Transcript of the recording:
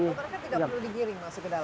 tapi mereka tidak perlu digiring masuk ke dalam